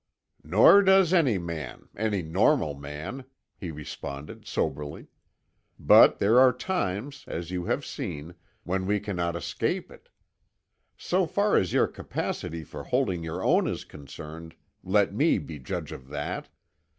"Nor does any man, any normal man," he responded soberly. "But there are times, as you have seen, when we cannot escape it. So far as your capacity for holding your own is concerned, let me be judge of that.